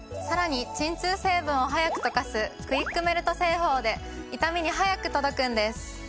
さらに鎮痛成分を速く溶かすクイックメルト製法で痛みに速く届くんです。